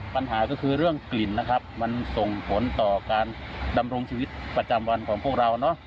ปัญหาก็คือเรื่องกลิ่นนะครับมันส่งผลต่อการดำรงชีวิตประจำวันของพวกเราเนอะ